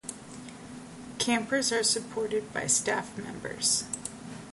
Campers are supported by staff members.